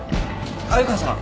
鮎川さん？